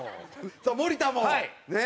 さあ森田もねえ。